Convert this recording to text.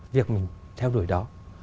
việc mình theo đuổi đó